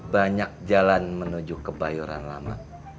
banyak jalan menuju kebayoran lama